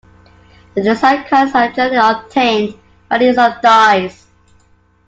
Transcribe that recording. The desired colors are generally obtained by the use of dyes.